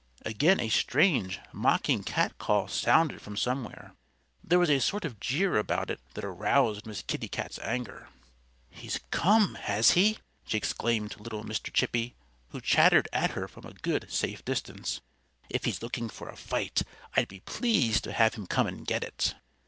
Again a strange, mocking catcall sounded from somewhere. There was a sort of jeer about it that aroused Miss Kitty Cat's anger. "He's come, has he?" she exclaimed to little Mr. Chippy, who chattered at her from a good, safe distance. "If he's looking for a fight I'd be pleased to have him come and get it."